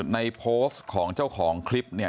ในโพสต์ของเจ้าของคลิปเนี่ย